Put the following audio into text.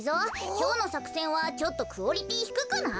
きょうのさくせんはちょっとクオリティーひくくない？